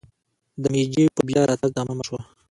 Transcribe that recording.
د میجي په بیا راتګ تمامه شوه.